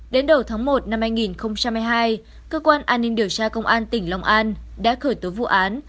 đến đầu tháng một năm hai nghìn hai mươi hai cơ quan an ninh điều tra công an tỉnh long an đã khởi tố vụ án